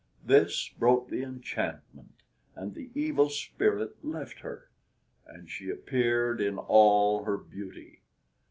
This broke the enchantment and the evil spirit left her, and she appeared in all her beauty.